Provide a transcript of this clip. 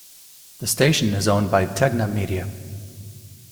The station is owned by Tegna Media.